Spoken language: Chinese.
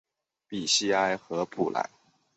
比西埃和普兰。